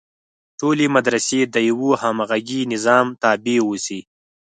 ټولې مدرسې د یوه همغږي نظام تابع اوسي.